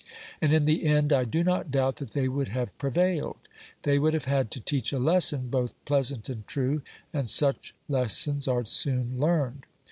And in the end I do not doubt that they would have prevailed. They would have had to teach a lesson both pleasant and true, and such lessons are soon learned.